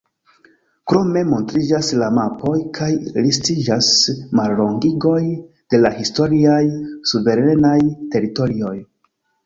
Krome montriĝas la mapoj kaj listiĝas mallongigoj de la historiaj suverenaj teritorioj.